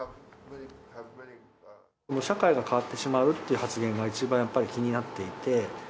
社会が変わってしまうっていう発言が一番やっぱり、気になっていて。